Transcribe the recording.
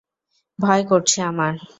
ভয় করছে আমার।